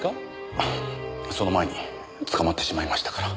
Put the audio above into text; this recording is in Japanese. その前に捕まってしまいましたから。